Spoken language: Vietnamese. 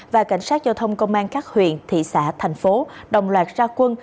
và cảnh sát giao thông công an các huyện thị xã thành phố đồng loạt ra quân